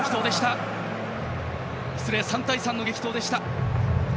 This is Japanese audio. ３対３の激闘でした。